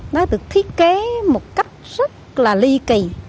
nó được thiết kế một cách rất là ly kỳ